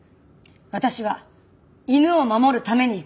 私は犬を守るために行くんです。